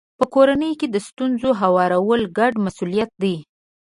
په کورنۍ کې د ستونزو هوارول ګډ مسولیت دی.